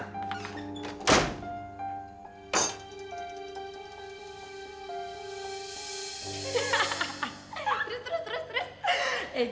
terus terus terus